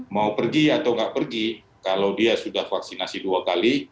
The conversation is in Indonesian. mau pergi atau nggak pergi kalau dia sudah vaksinasi dua kali